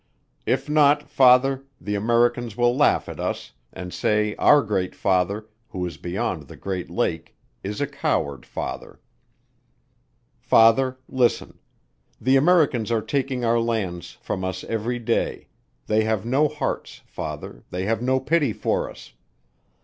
If not Father, the Americans will laugh at us, and say our Great Father, who is beyond the Great Lake is a coward Father. "Father Listen. The Americans are taking our lands from us every day, they have no hearts, Father, they have no pity for us.